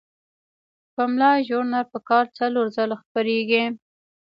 پملا ژورنال په کال کې څلور ځله خپریږي.